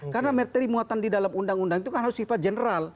karena materi muatan di dalam undang undang itu kan harus sifat general